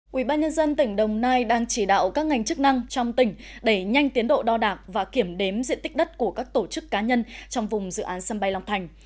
quỹ ban nhân dân tỉnh đồng nai đang chỉ đạo các ngành chức năng trong tỉnh đẩy nhanh tiến độ đo đạc và kiểm đếm diện tích đất của các tổ chức cá nhân trong vùng dự án sân bay long thành